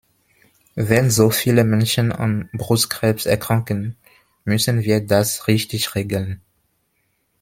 Wenn so viele Menschen an Brustkrebs erkranken, müssen wir das richtig regeln.